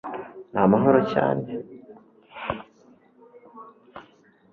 ni amahoro cyane